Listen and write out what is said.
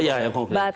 iya yang konkret